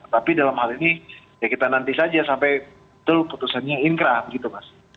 tapi dalam hal ini ya kita nanti saja sampai betul keputusannya ingkram